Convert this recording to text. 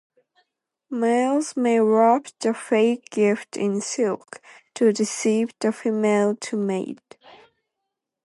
Males may wrap the fake gift in silk, to deceive the female to mate.